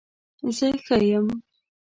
زه ښه یم